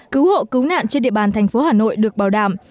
cứu hộ cứu nạn trên địa bàn thành phố hà nội được bảo đảm